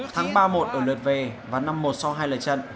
tháng ba một ở lượt về và năm một sau hai lời trận